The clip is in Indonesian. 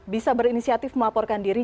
bisa berinisiatif melaporkan diri